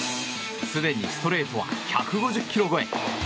すでにストレートは１５０キロ超え。